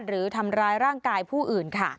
หรือทำร้ายร่างกายผู้อื่นค่ะ